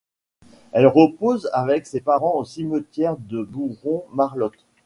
Elle repose avec ses parents au cimetière de Bourron-Marlotte.